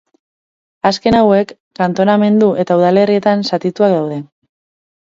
Azken hauek kantonamendu eta udalerritan zatituak daude.